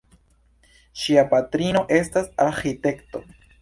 Ŝia patrino estas arĥitekto.